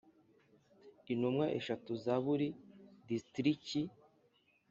Intumwa eshatu za buri distriki